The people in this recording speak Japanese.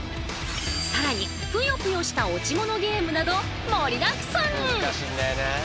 更にぷよぷよした落ちものゲームなど盛りだくさん！